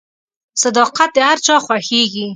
• صداقت د هر چا خوښیږي.